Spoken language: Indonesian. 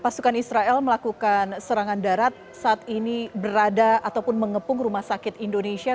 pasukan israel melakukan serangan darat saat ini berada ataupun mengepung rumah sakit indonesia